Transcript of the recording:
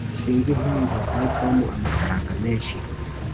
sinzi impamvu wahaye tom amafaranga menshi